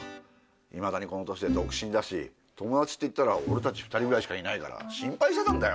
いまだにこの年で独身だし友達っていったら俺たち２人ぐらいしかいないから心配してたんだよ。